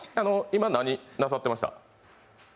今、何なさってますか？